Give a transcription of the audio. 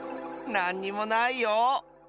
なんにもないよ！